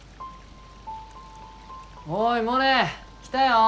おいモネ！来たよ！